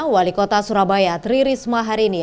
wali kota surabaya tri risma hari ini